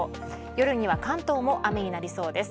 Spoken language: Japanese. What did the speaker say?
夜には関東も雨になりそうです。